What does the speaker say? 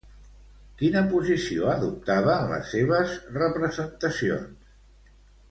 Quina posició adoptava en les seves representacions?